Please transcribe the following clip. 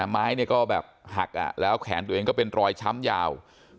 ไม้เนี่ยก็แบบหักแล้วแขนตัวเองก็เป็นรอยช้ำยาว